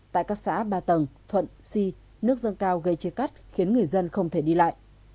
tại các xã ba tầng thuận si nước dâng cao gây chia cắt khiến người dân không thể đi lại